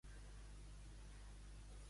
Qui era el pare de Sileu i Diceu?